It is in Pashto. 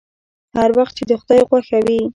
هر وخت چې د خداى خوښه وي.